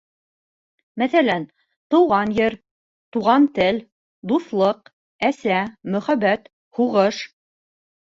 Мәҫәлән, тыуған ер, туған тел, дуҫлыҡ, әсә, мөхәббәт, һуғыш...